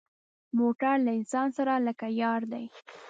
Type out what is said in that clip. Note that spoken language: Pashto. موټر له انسان سره لکه یار دی.